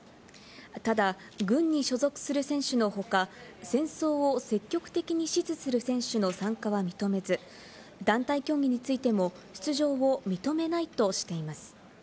ただ、軍に所属する選手のほか、戦争を積極的に支持する選手の参加は認めず、団体競技についても出場を認めないとしています。